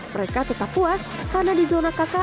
mereka tetap puas karena di zona kk